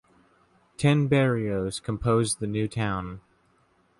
Ten barrios composed the new town.